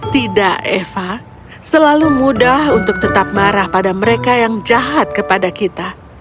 tidak eva selalu mudah untuk tetap marah pada mereka yang jahat kepada kita